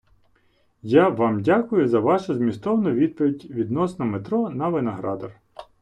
Я вам дякую за вашу змістовну доповідь відносно метро на Виноградар.